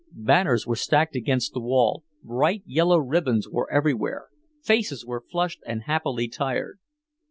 Banners were stacked against the wall, bright yellow ribbons were everywhere, faces were flushed and happily tired.